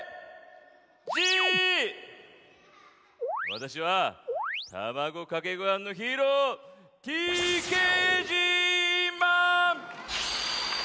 わたしはたまごかけごはんのヒーローＴＫＧマン！